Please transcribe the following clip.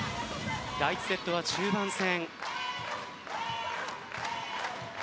第１セットは中盤戦。